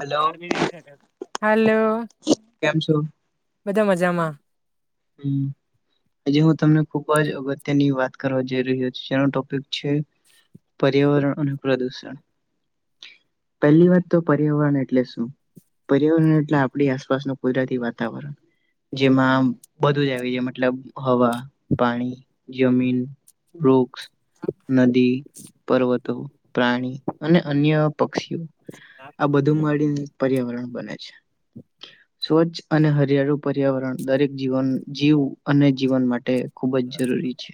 Hello હાલો કેમ બધા મજામાં હમ્મ આજે હું તમને ખુબ જ અગત્યની વાત કરવા જઈ રહ્યો છું જેનો ટોપિક છે પર્યાવરણ અને પ્રદૂષણ પહેલી વાત તો પર્યાવરણ એટલે શું પર્યાવરણ એટલે આપણી આસપાસનું કુદરાતી વાતાવરણ જેમાં બધું જ આવી છે મતલબ હવા પાણી જમીન વૃક્ષ નદી પર્વતો પ્રાણી અને અન્ય પક્ષીઓ આ બધું માંડીને પર્યાવરણ બને છે સ્વચ્છ અને હરિયાળુ પર્યાવરણ દરેક જીવન જીવ અને જીવન માટે ખુબ જ જરૂરી છે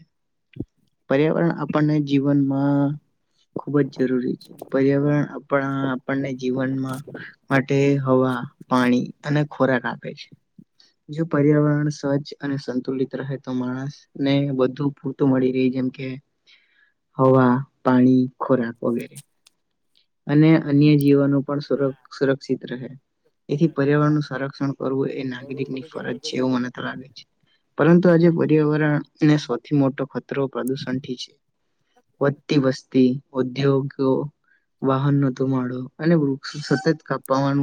પર્યાવરણ આપણને જીવનમાં ખુબ જ જરૂરી છે પર્યાવરણ આપણા આપણને જીવનમાં માટે હવા પાણી અને ખોરાક આપે છે જો પર્યાવરણ સ્વજ્છ અને સંતુલિત રહે તો માણસ ને વધુ પૂરતું મળી રે જેમ કે હવા પાણી ખોરાક વગેરે અને અન્ય જીવનો પણ સુ સુરક્ષિત રહે એથી પર્યાવરણનું સંરક્ષણ કરવું એ નાગરિક ની ફરજ છે એવું મને તો લાગે છે પરંતુ આજે પર્યાવર સૌથી મોટો ખતરો પ્રદુષણથી છે વધતી વસ્તી ઉદ્યોગો વાહન નોતો માંડો અને વૃક્ષો સતત કાપ પવન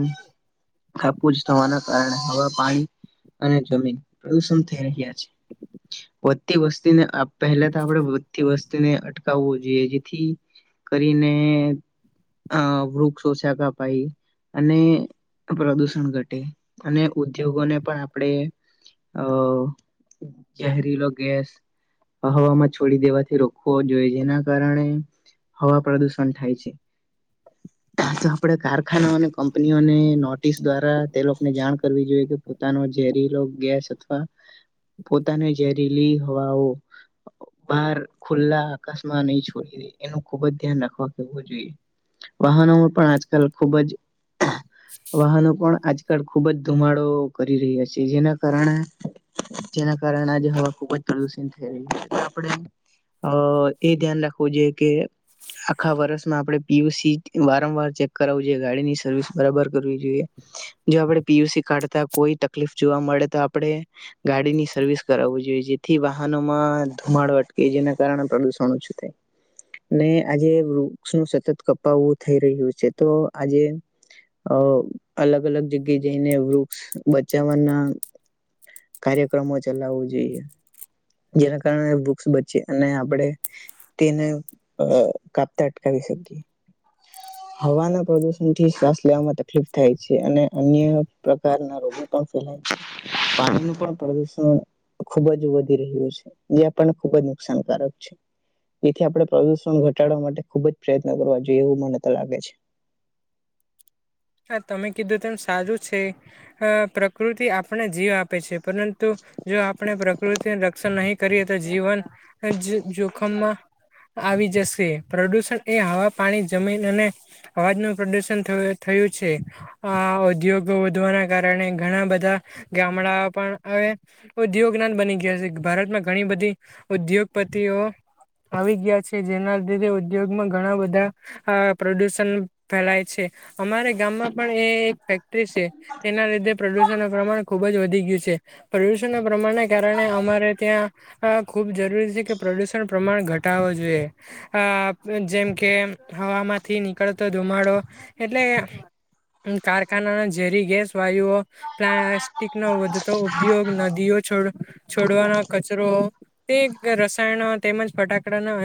કાપું જ થવાના કારણે હવા પાણી અને જમીન પ્રદુષણ થઈ રહ્યા છે તે વસ્તી ને અ પહેલા તેને અટકાવવો જોઈએ જેથી કરીને અ વૃક્ષો ઓછા કપાઇ અને પ્રદુષણ ઘટે અને ઉદ્યોગોને પણ આપણેે અ ઝેરીલો ગેસ હવામાં છોડી દેવાથી રોખવો જોઈએ જેના કારણે હવા પ્રદુષણ થાય છે [inaudible] આપડે કારખાના અને કંપનીઓને નોટિસ દ્વારા તે લોકોને જાણ કરવી જોઈએ કે પોતાનો જે ઝેરીલો ગેસ અથવા પોતાની ઝેરીલી હવાઓ બહાર ખુલ્લા આકાશમાં નહી છોડી દે એનું ખુબ જ ધ્યાન રાખવા કેવું જોઈએ વાહનોમા પણ આજકાલ ખુબ જ વાહનો પણ આજકાલ ખુબ જ ધુમાડો કરી રહ્યા છે જેના કારણે જેના કારણે આજે હવા ખૂબ જ પ્રદુષિત થઈ રહી છે આપણે અ એ ધ્યાન રાખવું જોઈએ કે આખા વર્ષમાં આપડે પીયુસી વારંવાર ચેક કરાવું જોઈએ ગાડીની સર્વિસ બરાબર કરવી જોઉએ જો આપેડે પીયુસી કાઢતા કોઈ તકલીફ જોવા મળે તો આપણેે ગાડીની સર્વિસ કરાવવું જોઈએ જેથી વાહનોમાં ધુમાડો વટકે જેના કારણે પ્રદુષણ ઓછું થાય ને આજે વૃક્ષ નું સતત કપાવું થઈ રહ્યું છે તો આજે અ અલગ અલગ જગ્યાએ જઈને વૃક્ષ બચાવવાના કાર્યક્રમો ચલાવવું જોઈએ જેના કાકરણે બુક્સ બચી અને આપણે તેને અ કાપતા અટકાવી શકીયે હવાના પ્રદુષણ થી શ્વાસ લેવામાં તકલીફ થાય છે અને અન્ય પ્રકારના રોગો પણ ફેલાય છે પાણી નુ પણ પ્રદુષણ ખુબ જ વધી રહ્યું છે જે પણણને ખુબ જ નુકસાનકારક છે જેથી આપણે પ્રદુષણ ઘટાડવા માટે ખુબ જ પ્રયત્ન કરવા જોઈએ એવું મને તો લાગે છે [inaudible] હા તમે કીધું તેમ સાારું છે અ પ્રકૃતિ આપણ જીવ આપે છે પરંતુ જો આપણે પ્રકૃતિ રક્ષણ નહીં કરીએ તો જીવન જોખમમાં આવી જશે પ્રદુષણ એ હવા પાણી જમીન અને અવાજનું પ્રદુષણ થયું થયું છે આ ઉદ્યોગો વધવાના કારણે ઘણા બધા ગામડાઓ પણ ઉદ્યોગઞાન બની ગયા છે ભારતમાં ઘણી બધી ઉદ્યોગપતિઓ આવી ગયા છે જેના લીધે ઉદ્યોગમાં ઘણા બધા આ પ્રદુષણ ફેલાય છે અમારે ગામમાં પણ એ એક ફેક્ટરી છે તેના લીધે પ્રદુષણ ન પ્રમાણ ખુબ જ વધી ગયું છે પ્રદુષણ ના પ્રમાણને કારણે અમારે ત્યાં ખૂબ જરૂરી છે કે પ પ્રદુષણ પ્રમાણ ઘટાો જોઈએ આ જેમ કે હવામાંથી નીકળતો ધુમાડો એટલે કારખાના ઝેરી ગેસ વાયુઓ પ્લાસ્ટિક ન વધતો ઉપયોગ નદીઓ નાદી યો છોડવા કચરો તે રસાયણ તેમજ ફટાકડા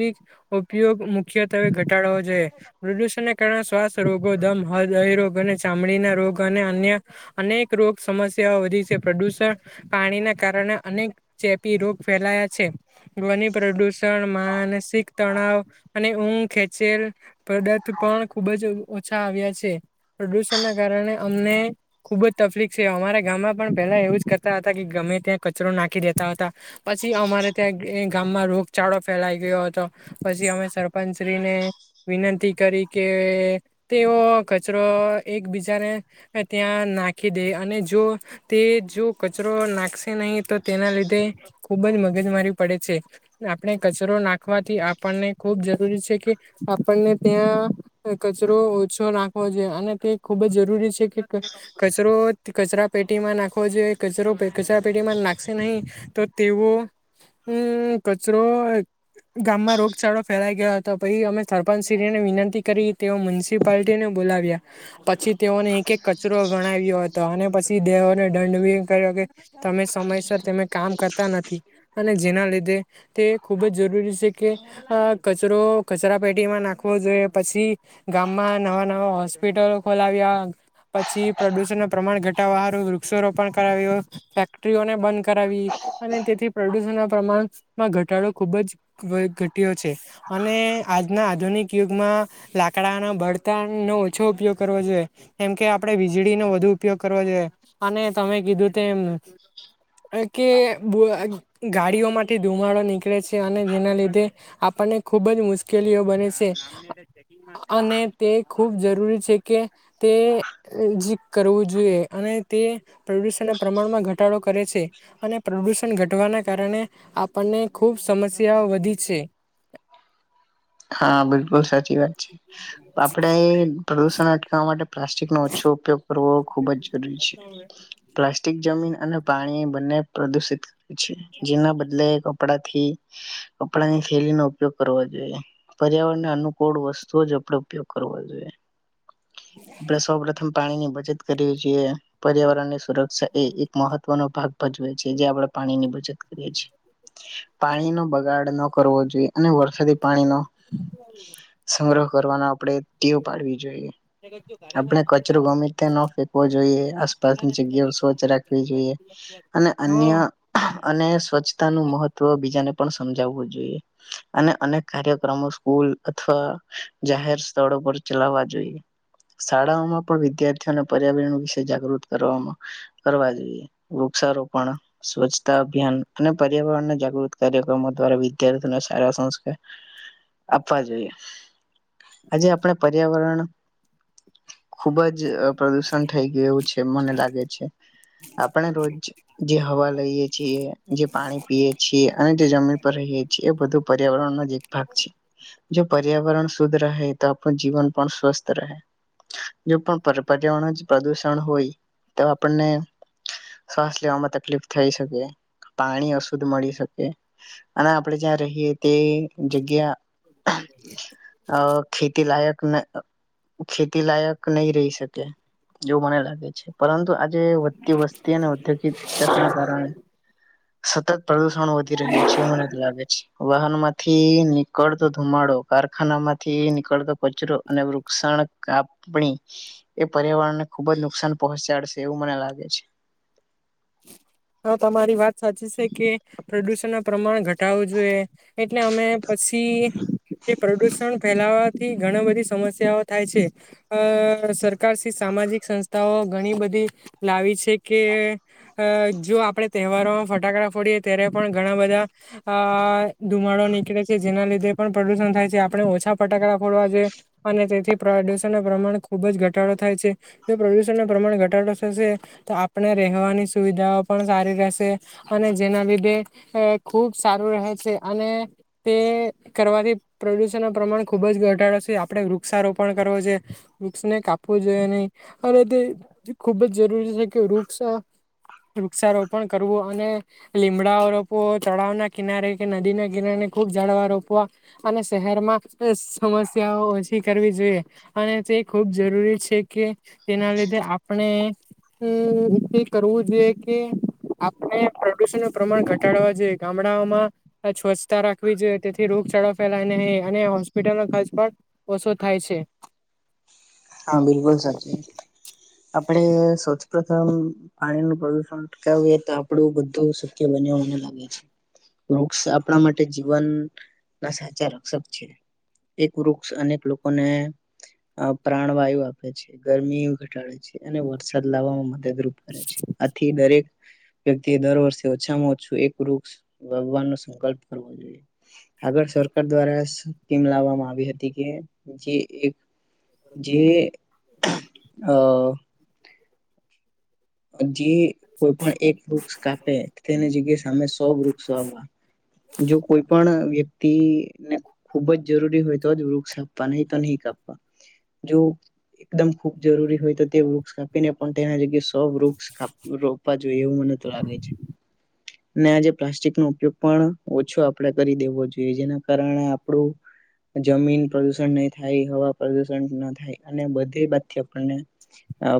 ઉપયોગ મુખ્યત્વે ઘટાડવો જોઈએ પ્રદૂષણને કારણે શ્વાસ રોગો દમ હદય રોગ અને ચામડીના રોગ અને અન્ય અનેક રોગ સમસ્યાઓ વધી છે પ્રદૂષણ પાણીના કારણે અનેક ચેપી રોગ ફેલાયા છે ધવની પ્રદૂષણ શિક્ષણ માનસિક તણાવ અને ઊંઘ ખેચેલ પદાર્થ પણ ખૂબ જ ઓછા આવ્યા છે પ્રદુષણ ના કારણે અમને ખુબજ તકલીફ છે અમારા ગામમાં પણ પેલા એવું જ કરતા હતા કે અમે ત્યાં કચરો નાખી દેતા હતા પછી અમારે ત્યાં ગામમાં રોગચાળો ફેલાઈ ગયો હતો પછી અમે સરપંચ શ્રીને વિનંતી કરી કે તેઓ કચરો એકબીજાને ત્યાં નાખી દે અને જો તે જો કચરો નાખશે નહીં તો તેના લીધે ખુબ જ મગજ મારી માર્યું પડે છે આપણે કરો નાખવાથી આપણને ખૂબ જરૂરી છે કે આપણને ત્યાંરો ઓછો નાખવો જોઈ અને કે ખુબ જ જરૂરી છે કે કચરો કચરા પેટીમાં ના આખો જે કરો કચરા પેટીમાં નાખશે નહીં તો તેઓ હમ્મ કચરો ગામમાં રોગચાળો ફેલાઈ ગયો હતો પછી અમે સરપંચ શ્રીને વિનંતી કરી તે મ મ્યનિસિપાલટી ને બોલાવ્યા પછી તેઓને એક એક કચરો ગણાવ્યો હતો અને પછી દેહોને દંડવી કર્યો કે તમે સમયસર તેમે કામ કરતા નથી અને જેના લીધે તે ખુબ જ જરૂરી છે કે કચરો કચરા પેટીમાં નાખવો જોઈએ પછી ગામમાં નવા નવા હોસ્પિટલો ખોલાવ્યા પછી પ્રદુષણ ન પ્રમાણ ઘટાડવા વાળુ વૃક્ષો રોપણ કરાવ્યું ફેક્ટરીઓને બંધ કરાવી. અને તેથી પ્રદુષણના પ્રમાણમાં ઘટાડો ખુબ જ ઘટયો છે. અને આજના આધુનિક યુગમાં. લાકડા ના બળતણ નો ઓછો ઉપયોગ કરવો જોઈએ કેમકે આપડે વીજળી નો વધુ ઉપયોગ કરવો જોઈએ. અને તમે કીધું તેમ કે ગાડીઓમાંથી ધુમાડો નીકળે છે. અને જેના લીધે. આપણને ખુબ જ મુશ્કેલીઓ બને છે. અને તે ખુબ જરૂરી છે. કે તે કરવું જોઈએ અને તે પ્રદુષણના પ્રમાણમાં ઘટાડો કરે છે. અને પ્રદુષણ ઘટવાના કારણે. આપણને ખુબ સમસ્યાઓ વધી છે. હ [inaudible] હા. બિલકુલ સાચી વાત છે. આપડે એ પ્રદુષણ અટકાવવા માટે પ્લાસ્ટિક નો ઓછો ઉપયોગ કરવો ખુબ જ જરૂરી છે. પ્લાસ્ટિક જમીન અને પાણી બંને પ્રદુષિત કરે છે. જેના બદલે કપડા થી કપડા ની થેલી નો ઉપયોગ કરવો જોઈએ. પર્યાવરણને અનુકૂળ વસ્તુ જ આપડે ઉપયોગ કરવા જોઈએ. આપણે સૌ પ્રથમ પાણી ની બચત કરવી જોઈએ, પર્યાવરણની સુરક્ષા એ એક મહત્વનો ભાગ ભજવે છે. જે આપડે પાણી ની બચત કરીએ છીએ. પાણી નો બગાડ ન કરવો જોઈએ, અને વરસાદી પાણી નો સંગ્રહ કરવાનો, આપણેે ટેવ પાડવી જોઈએ. આપડે કચરો ગમે ત્યા ન ફેંકવો જોઈએ. આસપાસની જગ્યાઓ સ્વચ્છ રાખવી જોઈએ. અને અન્ય હા અને સ્વચ્છતા નું મહત્વ બીજાને પણ સમજાવ વું જોઈ જો અને અનેક કાર્ય મો સ્કૂલ અથવા જાહેર સ્થળો પર ચલાવવા જોઈએ. શાળાઓમાં પણ, વિદ્યાર્થીઓને પર્યાવરણ વિશે જાગૃત કરવામાં કરવા જોઈએ. વૃક્ષારોપણ, સ્વચ્છતા અભિયાન અને પર્યાવરણના જાગૃત કાર્યક્રમો દ્વારા વિદ્યાર્થીઓ સારા સંસ્કૃત [unintelligible] આપવા જોઈએ. આજે આપણે પર્યાવરણ ખુબ જ પ્રદુષણ થઈ ગયું એવું છે. મને લાગે છે. આપણે રોજ જે હવા લઈએ છીએ, જે પાણી પીયએ છીએ, અને તે જમીન પર રહીએ છીએ, એ બધું પર્યાવરણનો જ એક ભાગ છે. જો પર્યાવરણ શુદ્ધ રહે તો આપણું જીવન પણ સ્વસ્થ રહે, જો પણ પર્યાવરણ જ પ્રદુષણ હોય તો, આપણને શ્વાસ લેવામાં તકલીફ થઈ શકે. પાણી અશુદ્ધ મળી શકે, અને આપણેે જ્યાં રહીએ તે જગ્યા અ ખેતી લાયક? ખેતી લાયક નહી રહી શકે, એવું મને લાગે છે. પરંતુ વધતી વસ્તી અને ઔદ્યોગિક વ્યસના કારણે, સતત પ્રદુષણ વધી રહ્યું છે. એવું મને લાગે છે. વાહનો માંથી નીકળતો ધુમાડો, કારખાના માંથી નીકળતો કચરો, અને વૃક્ષાણ કાપણી એ પર્યાવરણ ને ખુબ જ નુકસાન પહોંચાડશે, એવું મને લાગે છે. હા. તમારી વાત સાચી છે. કે પ્રદુષણ નુ પ્રમાણ ઘટાડવું જોઈએ, એટલે અમે પ [inaudible] એ પ્રદૂષણ ફેલાવાથી ઘણી બધી સમસ્યાઓ થાય છે. અ અ સરકાર શ્રી સામે સામાજિક સંસ્થાઓ ઘણી બધી લાવી છે. કે આપડે તહેવારોમાં ફટાકડા ફોડીએ ત્યારે પણ, ઘણા બધા અ ધુમાડો નીકળે છે. જેના લીધે પણ પ્રદુષણ થાય છે. આપણે ઓછા ફટાકડા ફોડવા જોઈએ, અને તેથી પ્રદુષણ ન પ્રમાણ ખુબ જ ઘટાડો થાય છે. જો પ્રદુષણ ના પ્રમાણ ઘટાડો થશે તો, આપણે રહેવાની સુવિધાઓ પણ સારી રહેશે, અને જેના લીધે ખુબ સારું રહે છે. અને તે કરવાથી પ્રદુષણ નુ પ્રમાણ ખુબ જ ઘટાડે છે. આપે વૃક્ષારોપણ કરવો જોઈએ. વૃક્ષો કાપવા જોઈએ નહી. અને તે ખુબ જ જરૂરી છે. કે વૃક્ષો. [inaudible] વૃક્ષારોપણ કરવું અને લીમડાઓ રોપવો તળાવના કિનારે, કે નદી ના કિનારે ખુબ ઝાડવાં રોપવા અને શહેરમાં સમસ્યાઓ ઓછી કરવી જોઈએ, અને તે ખૂબ જરૂરી છે. કે તેના લીધે આપણે કંઈક કરવું જોઈએ. [unintelligible] આપણે પ્રદુષણનું પ્રમાણ ઘટાડવા જોઈએ. ગામડાઓમાં સ્વચ્છતા રાખવી જોઈએ, તેથી રોગ ચાળો ફેલાય નહિ, અને હોસ્પિટલનો ખર્ચ પણ ઓછો થાય છે. [inaudible] હા બિલકુલ સાચી આપણે સૌ પ્રથમ પાણીનું પ્રદુષણ અટકાવીએ તો આપણું બધું શક્ય બન્ બનાવીએ છે. [unintelligible] એક વૃક્ષ અનેક લોકોને પ્રાણવાયુ આપે છે, ગરમી ઘટાડે છે અને વરસાદ લાવવામાં મદદ કરે છે. આથી દરેક વ્યક્તિએ દર વર્ષે ઓછામાં ઓછું એક વૃક્ષ, ભગવાનનો સંકલ્પ કરવો જોઈએ. [inaudible] આગળ સરકાર દ્વારા, સ્કીમ લાવવામાં આવી હતી, કે જે એક જે અ જે કોઈ પણ એક વૃક્ષકાપે તેને જગ્યાએ સામા સો વૃક્ષ વાવવા જો કોઈ પણ વ્ય [unintelligible] ને ખુબ જ જરૂરી હોય તો જ વૃક્ષ કાપવા, નહી તો નહી કાપવા. જો એકદમ ખુબ જરૂરી હોય, તો તે વૃક્ષ કાપીને પણ તેના જગ્યા [unintelligible] વૃક્ષ કાપ રોપવા જોઈએ. એવું મને તો લાગે છે. અને આજે પ્લાસ્ટિકનો ઉપયોગ પણ ઓછો આપણે કરી દેવો જોઈએ, જેના કારણે આપણું જમીન પ્રદુષણ નહી થાય, હવા પ્રદુષણ ન થાય અને બધી બાજુથી આપણને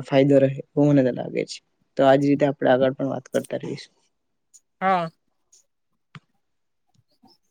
ફાયદો રહે એવું મને લાગે છે. તો આજ રીતે આપણે આગળ પણ વાત કરતા રહીશું. હા. [inaudible]